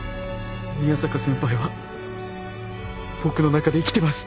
宮坂先輩は僕の中で生きてます。